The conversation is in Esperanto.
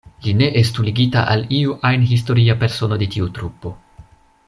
Li ne estu ligita al iu ajn historia persono de tiu trupo.